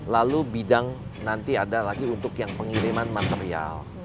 lalu bidang nanti ada lagi untuk yang pengiriman material